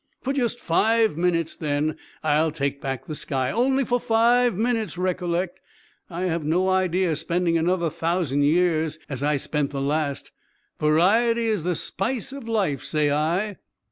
"For just five minutes, then, I'll take back the sky. Only for five minutes, recollect! I have no idea of spending another thousand years as I spent the last. Variety is the spice of life, say I."